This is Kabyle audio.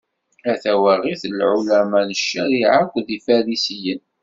A tawaɣit n Lɛulama n ccariɛa akked Ifarisiyen.